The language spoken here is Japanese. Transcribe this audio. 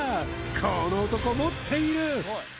この男持っている！